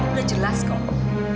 udah jelas kok